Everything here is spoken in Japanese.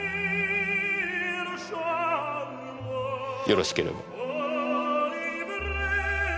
よろしければ。